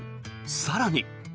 更に。